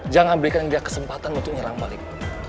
jangan berikan dia kesempatan untuk nyerang balik